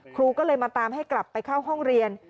ครูก็เลยมาตามให้กลับไปเข้าห้องเรียน